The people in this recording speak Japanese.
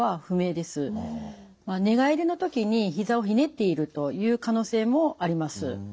寝返りの時にひざをひねっているという可能性もあります。